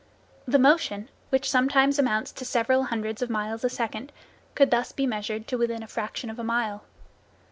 The motion, which sometimes amounts to several hundreds of miles a second could thus be measured to within a fraction of a mile.